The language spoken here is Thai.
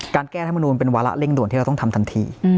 แก้ธรรมนูลเป็นวาระเร่งด่วนที่เราต้องทำทันที